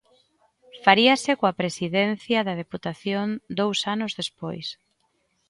Faríase coa Presidencia da Deputación dous anos despois.